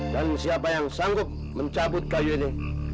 dan siapa yang sanggup mencabut kayu ini